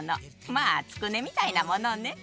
まあつくねみたいなものね。